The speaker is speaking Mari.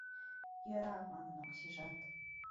— «Йӧра» манын Оксижат.